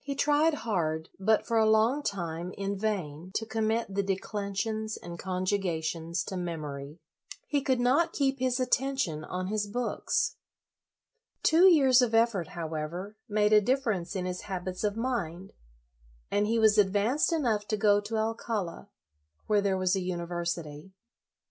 He tried hard, but, for a long time, in vain, to com mit the declensions and conjugations to memory. He could not keep his atten tion on his books. Two years of effort, however, made a difference in his habits of mind, and he was advanced enough to go to Alcala, where there was a university.